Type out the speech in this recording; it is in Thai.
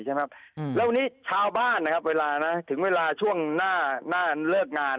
และวันนี้ชาวบ้านนะครับเวลาถึงเวลาช่วงหน้าเลิกงาน